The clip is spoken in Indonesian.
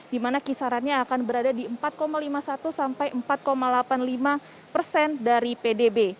di mana kisarannya akan berada di empat lima puluh satu sampai empat delapan puluh lima persen dari pdb